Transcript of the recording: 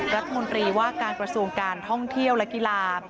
รัฐมนตรีว่าการกระทรวงการท่องเที่ยวและกีฬา